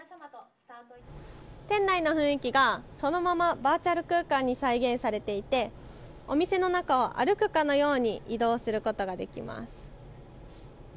店内の雰囲気がそのままバーチャル空間に再現されていてお店の中を歩くかのように移動することができます。